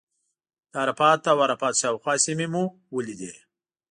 د عرفات او عرفات شاوخوا سیمې مو ولیدې.